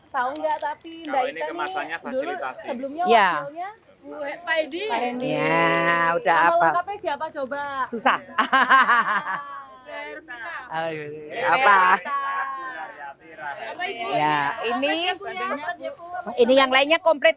tahu enggak tapi enggak ini sebelumnya ya udah apa susah hahaha apa ini ini yang lainnya komplet